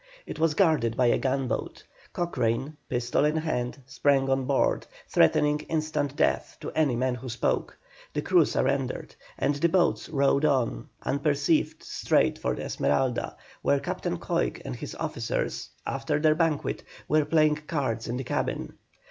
It was guarded by a gunboat. Cochrane, pistol in hand, sprang on board, threatening instant death to any man who spoke. The crew surrendered, and the boats rowed on unperceived straight for the Esmeralda, where Captain Coig and his officers, after their banquet, were playing cards in the cabin.